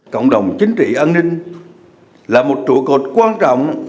cộng đồng chính trị an ninh là một trụ cột quan trọng